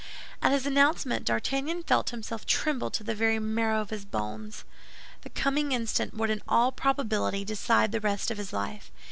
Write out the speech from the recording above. At his announcement D'Artagnan felt himself tremble to the very marrow of his bones. The coming instant would in all probability decide the rest of his life.